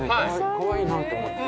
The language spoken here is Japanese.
かわいいなと思って。